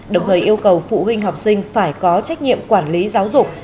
đồng thời yêu cầu phụ huynh học sinh phải có trách nhiệm quản lý giáo dục